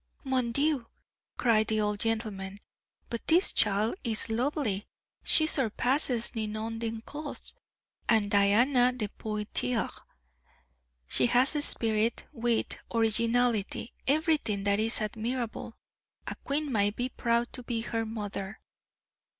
"Mon Dieu!" cried the old gentleman; "but this child is lovely! She surpasses Ninon D'Enclos and Diana de Poitiers! She has spirit, wit, originality everything that is admirable! A queen might be proud to be her mother!"